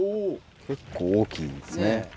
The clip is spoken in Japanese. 結構大きいですね。